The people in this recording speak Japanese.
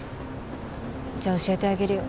じゃあ教えてあげるよ。